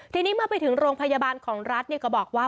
ทีนี้เมื่อไปถึงโรงพยาบาลของรัฐก็บอกว่า